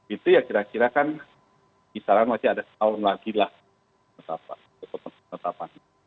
itu ya kira kira kan misalnya masih ada tahun lagi lah ketapan